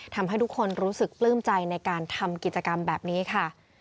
ทำให้ทุกคนรู้สึกปลื้มใจในการทำกิจกรรมแบบนี้ค่ะ